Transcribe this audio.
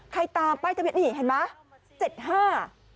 ใครตามป้ายทะเบียนนี่เห็นไหม